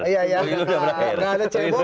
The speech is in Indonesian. gak ada cebong gak ada kamar